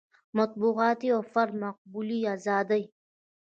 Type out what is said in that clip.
مطبوعاتي او فردي معقولې ازادۍ.